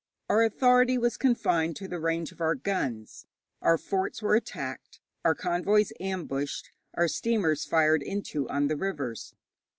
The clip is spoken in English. Our authority was confined to the range of our guns. Our forts were attacked, our convoys ambushed, our steamers fired into on the rivers.